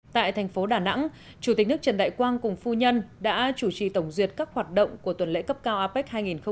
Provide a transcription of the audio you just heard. tại thành phố đà nẵng chủ tịch nước trần đại quang cùng phu nhân đã chủ trì tổng duyệt các hoạt động của tuần lễ cấp cao apec hai nghìn hai mươi